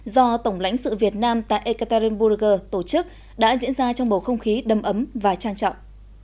do tổng lãnh sự việt nam tại ekaterinburg tổ chức đã diễn ra trong bầu không khí đâm ấm và trang trọng